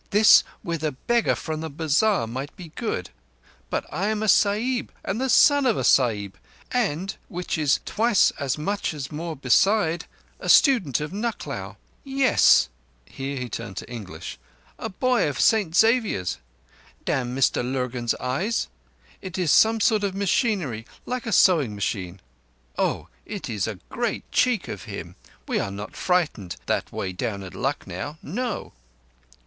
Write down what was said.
"This with a beggar from the bazar might be good, but—I am a Sahib and the son of a Sahib and, which is twice as much more beside, a student of Nucklao. Yess" (here he turned to English), "a boy of St Xavier's. Damn Mr Lurgan's eyes!—It is some sort of machinery like a sewing machine. Oh, it is a great cheek of him—we are not frightened that way at Lucknow—No!"